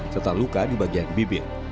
serta luka di bagian bibir